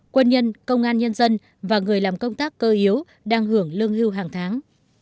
quân nhân công an nhân dân và người làm công tác cơ yếu đang hưởng lương hưu hàng tháng